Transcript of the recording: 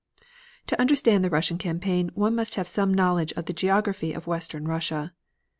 To understand the Russian campaign one must have some knowledge of the geography of western Russia.